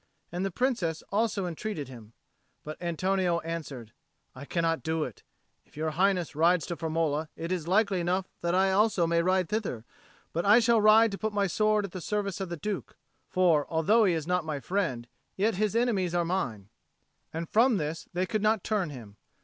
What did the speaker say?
And the Princess also entreated him. But Antonio answered, "I cannot do it. If Your Highness rides to Firmola, it is likely enough that I also may ride thither; but I shall ride to put my sword at the service of the Duke. For, although he is not my friend, yet his enemies are mine." And from this they could not turn him.